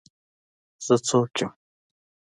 زه څوک يم.